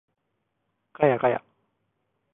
ガヤガヤ